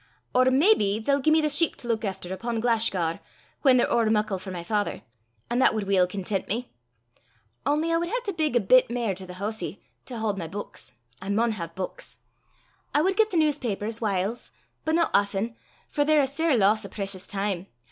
Or maybe they'll gie me the sheep to luik efter upo' Glashgar, whan they're ower muckle for my father, an' that wad weel content me. Only I wad hae to bigg a bit mair to the hoosie, to haud my buiks: I maun hae buiks. I wad get the newspapers whiles, but no aften, for they're a sair loss o' precious time.